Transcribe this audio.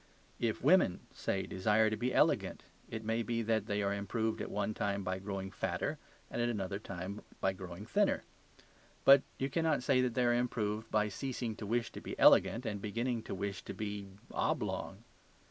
If women, say, desire to be elegant, it may be that they are improved at one time by growing fatter and at another time by growing thinner. But you cannot say that they are improved by ceasing to wish to be elegant and beginning to wish to be oblong.